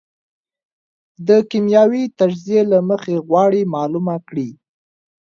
د کېمیاوي تجزیې له مخې غواړي معلومه کړي.